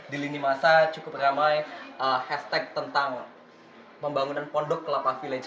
di lini masa cukup ramai hashtag tentang pembangunan pondok kelapa village